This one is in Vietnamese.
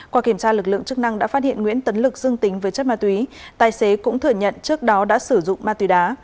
qua kiểm tra lực lượng chức năng đã phát hiện nguyễn tấn lực dương tính với chất mạ tùy tài xế cũng thừa nhận trước đó đã sử dụng mạ tùy đá